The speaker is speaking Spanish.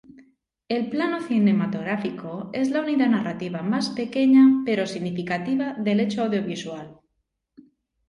El plano cinematográfico es la unidad narrativa más pequeña pero significativa del hecho audiovisual.